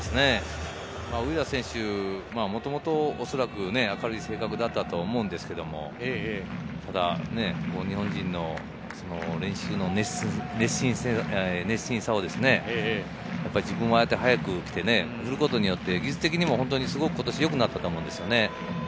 ウィーラー選手、もともとおそらく明るい性格だったと思うんですけど、ただ日本人の練習の熱心さを、自分も早く来てすることで技術的にもすごく今年良くなったと思うんですよね。